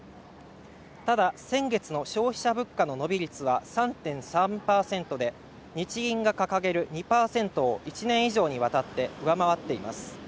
ただ先月の消費者物価の伸び率は３．３％で日銀が掲げる２％を１年以上にわたって上回っています